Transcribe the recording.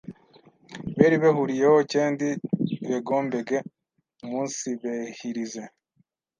beri behuriyeho kendi begombege umunsibehirize